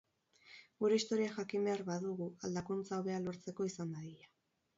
Gure historia jakin behar badugu, aldakuntza hobea lortzeko izan dadila.